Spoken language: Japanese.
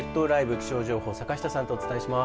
気象情報坂下さんとお伝えします。